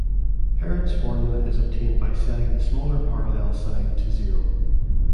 Heron's formula is obtained by setting the smaller parallel side to zero.